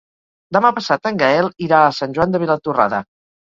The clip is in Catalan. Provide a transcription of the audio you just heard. Demà passat en Gaël irà a Sant Joan de Vilatorrada.